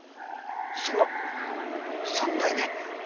そんな３代目？